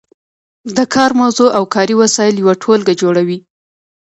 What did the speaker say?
د کار موضوع او کاري وسایل یوه ټولګه جوړوي.